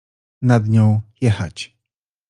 Nad nią — „jechać”.